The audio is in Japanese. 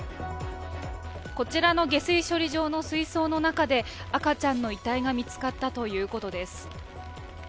こちらの下水処理場の水槽の中で赤ちゃんの遺体が見つかったということです。